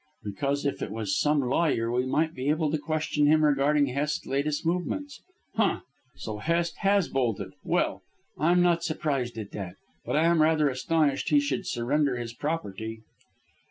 "Because if it was some lawyer we might be able to question him regarding Hest's latest movements. Humph! So Hest has bolted. Well, I'm not surprised at that. But I am rather astonished he should surrender his property."